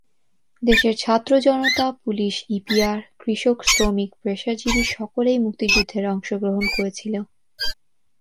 দেশের ছাত্র জনতা, পুলিশ, ইপিআর, কৃষক, শ্রমিক, পেশাজীবী সকলেই মুক্তিযুদ্ধের অংশগ্রহণ করেছিল।